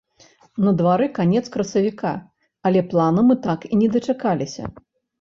На двары канец красавіка, але плана мы так і не дачакаліся.